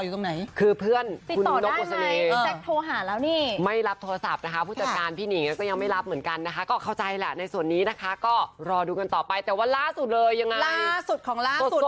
เชื่อว่าหลายคนน่าจะมีการผ่านไปบ้าง